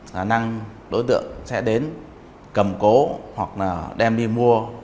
khả năng đối tượng sẽ đến cầm cố hoặc là đem đi mua